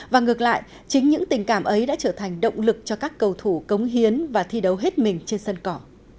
và ngược lại chính những tình cảm ấy đã trở thành động lực cho các cầu thủ cống hiến và thi đấu hết mình trên sân cỏ